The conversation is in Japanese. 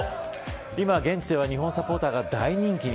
今、現地では日本サポーターが大人気に。